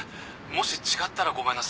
もし違ったらごめんなさい」